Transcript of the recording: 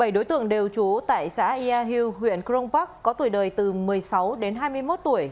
bảy đối tượng đều trú tại xã ia hieu huyện kronpark có tuổi đời từ một mươi sáu đến hai mươi một tuổi